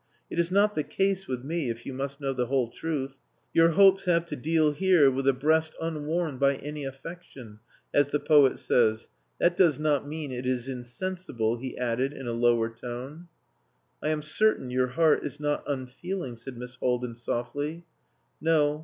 It is not the case with me if you must know the whole truth. Your hopes have to deal here with 'a breast unwarmed by any affection,' as the poet says.... That does not mean it is insensible," he added in a lower tone. "I am certain your heart is not unfeeling," said Miss Haldin softly. "No.